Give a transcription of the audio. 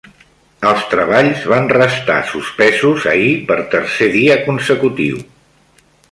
Els treballs van restar suspesos ahir per tercer dia consecutiu.